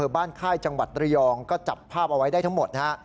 ค่ายจังหวัดระยองก็จับภาพเอาไว้ได้ทั้งหมดนะฮะ